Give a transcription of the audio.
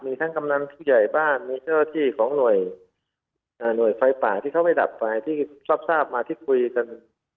มีทั้งกำนันผู้ใหญ่บ้านมีเจ้าที่ของหน่วยไฟป่าที่เขาไม่ดับไฟที่ทราบมาที่คุยกัน